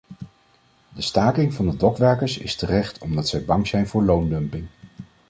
De staking van de dokwerkers is terecht omdat zij bang zijn voor loondumping.